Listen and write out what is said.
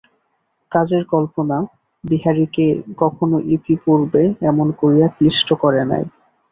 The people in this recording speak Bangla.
কাজের কল্পনা বিহারীকে কখনো ইতিপূর্বে এমন করিয়া ক্লিষ্ট করে নাই।